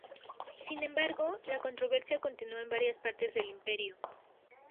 Sin embargo, la controversia continuó en varias partes del imperio.